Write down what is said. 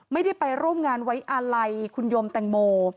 ไม่ได้ไปร่วมงานไว้อาลัยคุณโยมแตงโม